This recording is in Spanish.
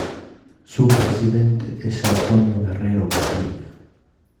Su presidente es Antonio Guerrero Capilla.